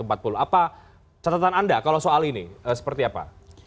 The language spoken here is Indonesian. apa catatan anda kalau soal ini seperti apa